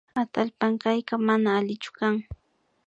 Atallpa ankayka mana allichu kan